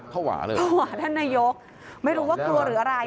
ภาวะเลยเหรอภาวะท่านนายกไม่รู้ว่ากลัวหรืออะไร